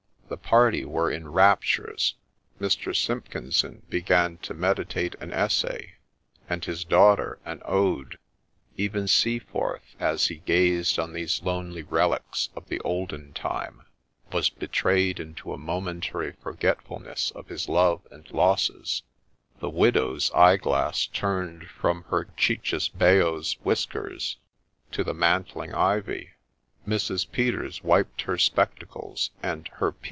The party were in raptures ; Mr. Simpkinson began to meditate an essay, and his daughter an ode : even Seaforth, as he gazed on these lonely relics of the olden time, was betrayed into a momentary forgetfulness of his love and losses : the widow's eye glass turned from her cicisbeo'B whiskers to the mantling ivy : Mrs. Peters wiped her spectacles ; and ' her P.'